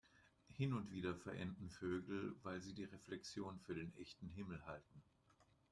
Hin und wieder verenden Vögel, weil sie die Reflexion für den echten Himmel halten.